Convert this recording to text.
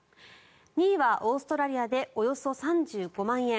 ２位はオーストラリアでおよそ３５万円。